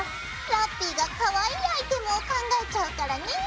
ラッピィがかわいいアイテムを考えちゃうからね。